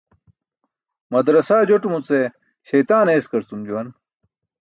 Madarasaa jotumuce śeytaan eeskarcum juwan.